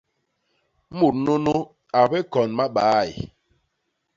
Mut nunu a bikon mabaay.